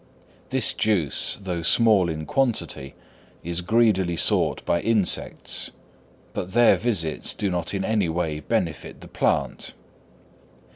This juice, though small in quantity, is greedily sought by insects; but their visits do not in any way benefit the plant.